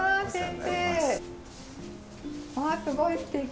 わあすごいすてき。